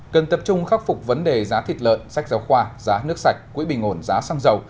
cần tập trung khắc phục vấn đề giá thịt lợn sách giáo khoa giá nước sạch quỹ bình ổn giá xăng dầu